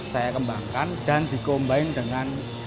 saya kembangkan dan dikombin dengan